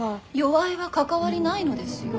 齢は関わりないのですよ。